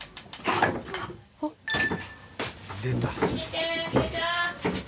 出た。